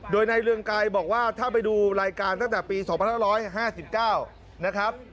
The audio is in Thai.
โดยในเรื่องใกล่บอกว่าถ้าไปดูรายการตั้งแต่ปีสองพันแรกร้อยห้าสิบเก้านะครับ